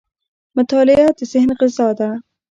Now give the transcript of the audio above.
• مطالعه د ذهن غذا ده.